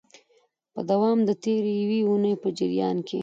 په دوام د تیري یوې اونۍ په جریان کي